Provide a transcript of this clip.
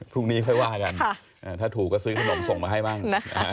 พรุ่งนี้ค่อยว่ากันถ้าถูกก็ซื้อขนมส่งมาให้บ้าง